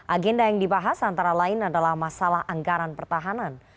agenda yang dibahas antara lain adalah masalah anggaran pertahanan